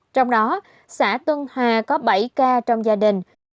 trong đó xã tân hòa có bảy ca trong gia đình